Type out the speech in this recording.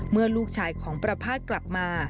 เมื่อลูกชายของประภาษณ์กลับมา